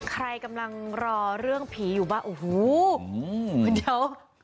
ใครกำลังรอเรื่องผีอยู่บ้าอันเดียว